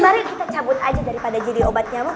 mari kita cabut aja daripada jadi obat nyamuk